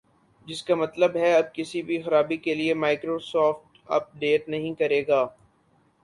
جس کا مطلب ہے اب کسی بھی خرابی کے لئے مائیکروسافٹ اپ ڈیٹ نہیں کرے گا